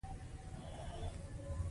نظارت باید له لومړیو مرحلو پیل شي.